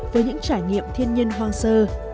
với những trải nghiệm thiên nhiên hoang sơ